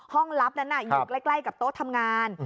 ลับนั้นอยู่ใกล้กับโต๊ะทำงาน